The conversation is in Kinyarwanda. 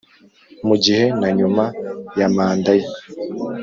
Mu gihe na nyuma ya manda ye